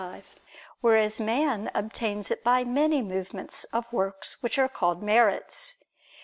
5); whereas man obtains it by many movements of works which are called merits.